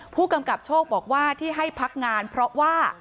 ผู้กำกับโชคบอกว่าที่ให้พักงานเพราะว่า